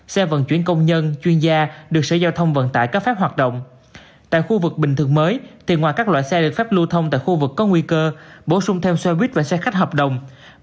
xe vận chuyển công nhân chuyên gia được sở giao thông vận tải các phép hoạt động